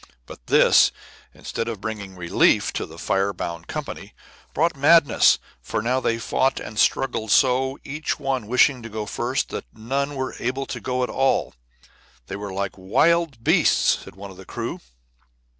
But this, instead of bringing relief to the fire bound company, brought madness; for now they fought and struggled so, each one wishing to go first, that none were able to go at all. "They were like wild beasts," said one of the crew.